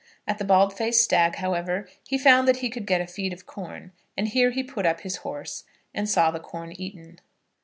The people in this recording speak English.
At the Bald faced Stag, however, he found that he could get a feed of corn, and here he put up his horse, and saw the corn eaten.